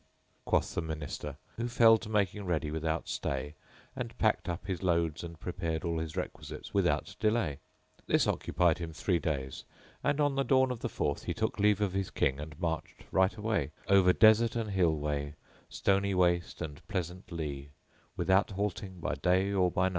quoth the Minister, who fell to making ready without stay and packed up his loads and prepared all his requisites without delay. This occupied him three days, and on the dawn of the fourth he took leave of his King and marched right away, over desert and hill' way, stony waste and pleasant lea without halting by night or by day.